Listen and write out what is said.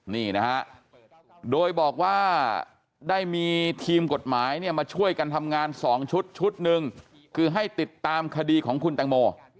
นี่นะฮะโดยบอกว่าได้มีทีมกฎหมายเนี่ยมาช่วยกันทำงาน๒ชุดชุดหนึ่งคือให้ติดตามคดีของคุณแตงโม